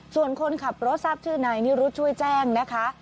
ส่วนคนขับรถทราบชื่อนายนิรุธช่วยแจ้งนะคะ